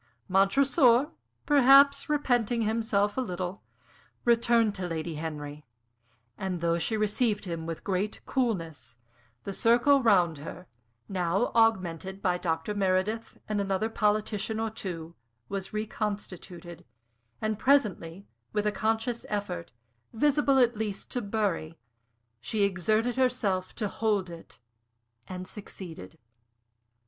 Montresor, perhaps repenting himself a little, returned to Lady Henry; and though she received him with great coolness, the circle round her, now augmented by Dr. Meredith, and another politician or two, was reconstituted; and presently, with a conscious effort, visible at least to Bury, she exerted herself to hold it, and succeeded.